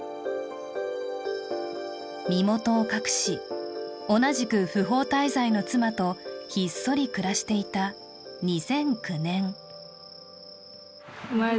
身元を隠し、同じく不法滞在の妻とひっそり暮らしていた２００９年。